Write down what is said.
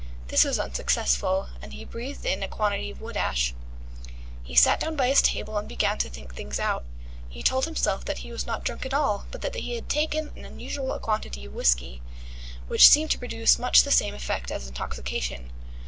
This was unsuccessful, and he breathed in a quantity of wood ash. He sat down by his table and began to think things out. He told himself that he was not drunk at all, but that he had taken an unusual quantity of whisky, which seemed to produce much the same effect as intoxication.